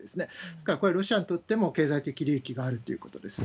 ですから、これはロシアにとっても経済的利益があるということです。